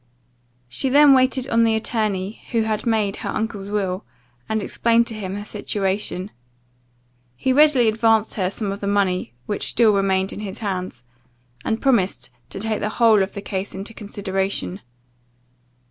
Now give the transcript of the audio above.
She then waited on the attorney who had made her uncle's will, and explained to him her situation. He readily advanced her some of the money which still remained in his hands, and promised to take the whole of the case into consideration.